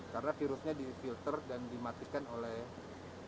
karena virusnya di filter dan dimatikan oleh